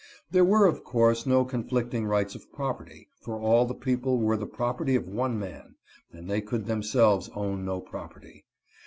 There were, of course, no conflicting rights of prop erty, for all the people were the property of one man, and they could themselves own no property.